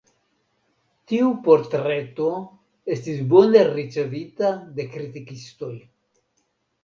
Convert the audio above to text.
Tiu portreto estis bone ricevita de kritikistoj.